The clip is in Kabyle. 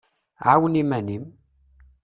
ɛawen iman-im.